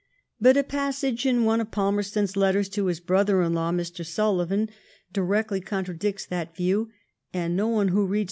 '' But a passage in one of Palmer Eton's letters to his brother in law^ Mr. Sulivaui directly contradicts that view ; and no one who reads